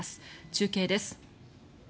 中継です。